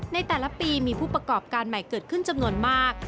ในแต่ละปีมีผู้ประกอบการใหม่เกิดขึ้นจำนวนมาก